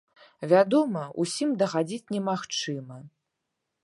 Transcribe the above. Вядома, усім дагадзіць немагчыма.